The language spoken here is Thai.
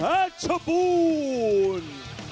และทะบูน